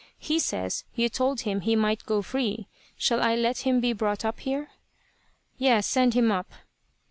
"He says you told him he might go free. Shall I let him be brought up here?" "Yes. Send him up."